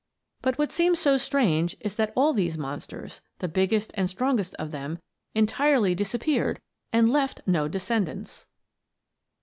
But what seems so strange is that all these monsters the biggest and strongest of them entirely disappeared and left no descendants!